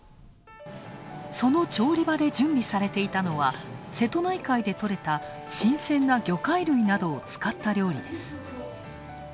その調理場で準備されていたのは瀬戸内海で取れた新鮮な魚介類などを使った料理です。